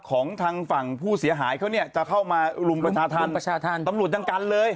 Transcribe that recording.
ของทางฝั่งผู้เสียหายเขานี้จะเข้ามาลุมประชาธรรมภาชาธรรมรหลุทธ์อย่างกันเลย